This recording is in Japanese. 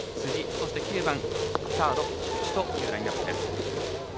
９番、サード菊池というラインアップです。